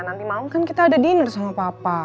nanti malem kan kita ada dinner sama papa